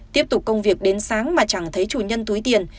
tiếp tục công việc đến sáng mà chẳng thấy chủ nhân túi tiền